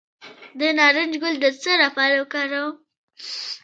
د نارنج ګل د څه لپاره وکاروم؟